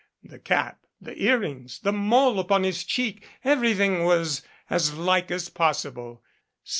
The cap, the earrings, the mole upon his cheek everything was as like as possible.